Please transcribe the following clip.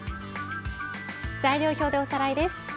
材料表でおさらいです。